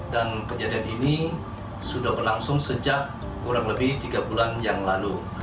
dan kejadian ini sudah berlangsung sejak kurang lebih tiga bulan yang lalu